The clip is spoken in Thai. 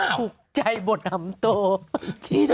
หนูกลุ่มกลับตาที